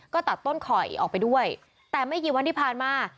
ก็ตัดต้นข่อยออกไปด้วยแต่ไม่กี่วันที่ผ่านมา